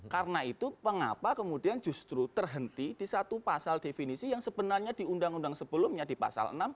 karena itu pengapa kemudian justru terhenti di satu pasal definisi yang sebenarnya di undang undang sebelumnya di pasal enam